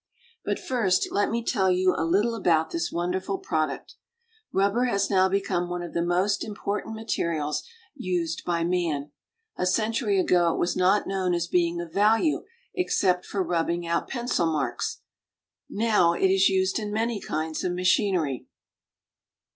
But first let me tell you a little about this wonderful product. Rubber has now become one of the most im portant materials used by man. A century ago it was not known as being of value except for rubbing out pencil marks. Now it is used in many kinds of machinery.